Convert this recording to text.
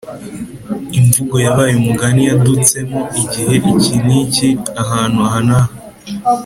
imvugo yabaye umugani yadutsemo igihe iki n’iki, ahantu aha n’aha.